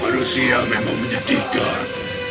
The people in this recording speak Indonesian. manusia memang menyedihkan